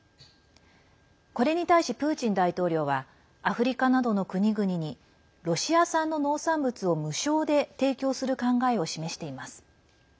これに対し、プーチン大統領はアフリカなどの国々にロシア産の農産物を、無償で提供する考えを示しています。